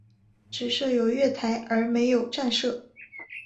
只设有月台而没有站舍。